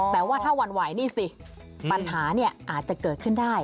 แต่ว่าถ้าหวั่นไหวนี่สิปัญหาเนี่ยอาจจะเกิดขึ้นได้